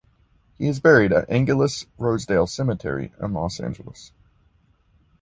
He is buried at Angelus-Rosedale Cemetery in Los Angeles.